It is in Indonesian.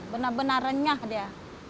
benar benar renyah dia